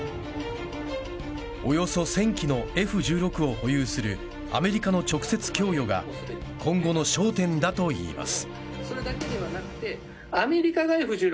およそ１０００機のＦ−１６を保有するアメリカの直接供与が今後の焦点だといいます。